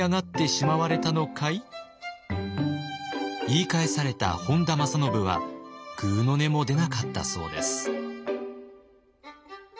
言い返された本多正信はぐうの音も出なかったそうです。